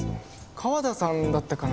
河田さんだったかな？